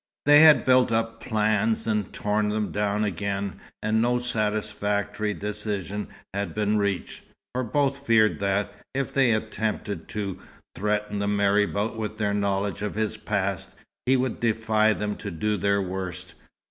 They had built up plans and torn them down again, and no satisfactory decision had been reached, for both feared that, if they attempted to threaten the marabout with their knowledge of his past, he would defy them to do their worst.